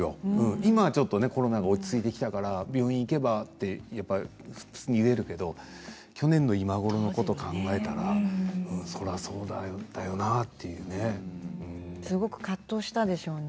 今はちょっとコロナが落ち着いてきたから病院に行けばって普通に言えるけど去年の今ごろのことを考えたらすごく葛藤したでしょうね